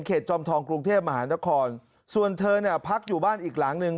จอมทองกรุงเทพมหานครส่วนเธอเนี่ยพักอยู่บ้านอีกหลังหนึ่ง